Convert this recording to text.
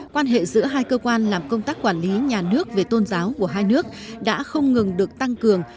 quan hệ giữa hai cơ quan làm công tác quản lý nhà nước về tôn giáo của hai nước đã không ngừng được tăng cường